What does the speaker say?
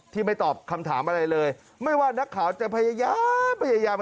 ไม่ตอบคำถามอะไรเลยไม่ว่านักข่าวจะพยายามพยายาม